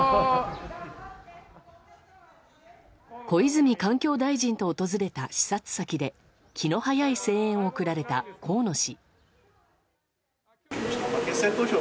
小泉環境大臣と訪れた視察先で気の早い声援を送られた河野氏。